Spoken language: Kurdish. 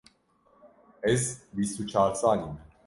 Ez bîst û çar salî me.